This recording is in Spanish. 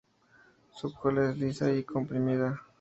Su cola es lisa y comprimida.